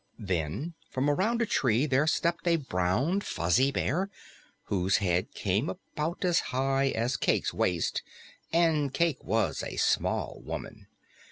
Then from behind a tree there stepped a brown, fuzzy bear whose head came about as high as Cayke's waist and Cayke was a small woman.